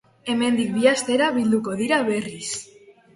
Hemendik bi astera bilduko dira berriz.